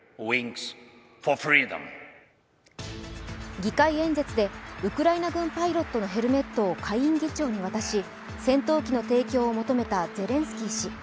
議会演説でウクライナ軍パイロットのヘルメットを下院議長に渡し、戦闘機の提供を求めたゼレンスキー氏。